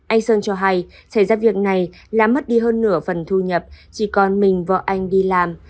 anh sơn cho hay xảy ra việc này là mất đi hơn nửa phần thu nhập chỉ còn mình vợ anh đi làm